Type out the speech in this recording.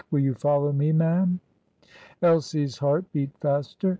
Will you follow me, ma'am?" Elsie's heart beat faster.